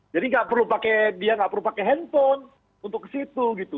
jadi dia nggak perlu pakai handphone untuk ke situ gitu